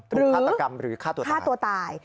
ฆาตกรรมหรือฆ่าตัวตายฆ่าตัวตาย